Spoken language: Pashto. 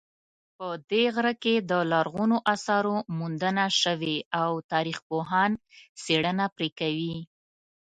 په دې غره کې د لرغونو آثارو موندنه شوې او تاریخپوهان څېړنه پرې کوي